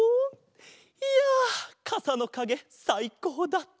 いやかさのかげさいこうだった！